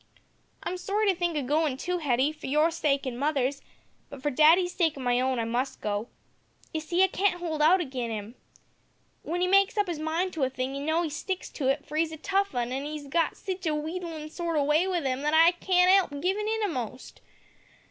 "I'm sorry to think of goin' too, Hetty, for your sake an' mother's, but for daddy's sake and my own I must go. You see, I can't 'old hout agin 'im. W'en 'e makes up 'is mind to a thing you know 'e sticks to it, for 'e's a tough un; an' 'e's got sitch a wheedlin' sort o' way with 'im that I can't 'elp givin' in a'most.